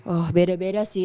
oh beda beda sih